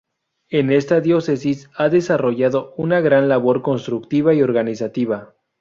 En esta diócesis ha desarrollado una gran labor constructiva y organizativa.